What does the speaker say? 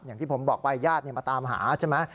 อย่างที่ผมบอกไปญาติมาตามหาใช่ไหม